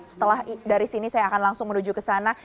setelah dari sini saya akan langsung menuju ke sana